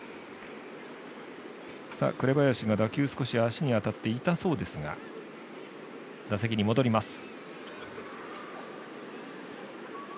紅林が打球、少し足に当たって痛そうですが打席に戻ります。